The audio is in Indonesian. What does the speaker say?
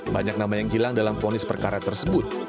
banyak nama yang hilang dalam ponis perkara tersebut